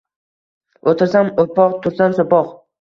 O'tirsam o'poq, tursam so'poq